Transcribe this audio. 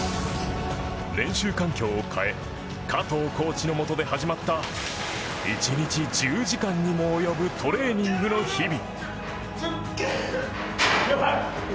練習環境を変え加藤コーチのもとで始まった１日１０時間にも及ぶトレーニングの日々。